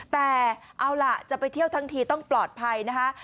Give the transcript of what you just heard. แต่เอาล่ะจะไปเที่ยวทั้งทีต้องปลอดภัยนะคะ